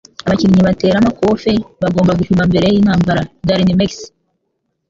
Abakinnyi bateramakofe bagomba gupima mbere yintambara (darinmex)